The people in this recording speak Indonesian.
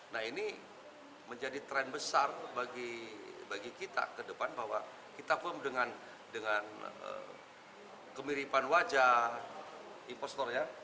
nah ini menjadi tren besar bagi kita ke depan bahwa kita firm dengan kemiripan wajah investor ya